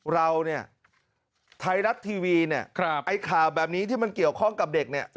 เราเนี่ยไทยรัฐทีวีเนี่ยไอ้ข่าวแบบนี้ที่มันเกี่ยวข้องกับเด็กเนี่ย